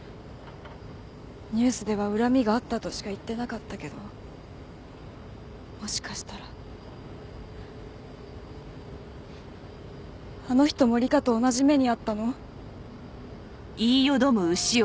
ニュースでは恨みがあったとしか言ってなかったけどもしかしたらあの人も理香と同じ目に遭ったの？